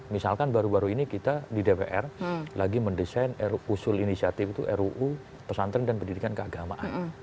misalkan baru baru ini kita di dpr lagi mendesain usul inisiatif itu ruu pesantren dan pendidikan keagamaan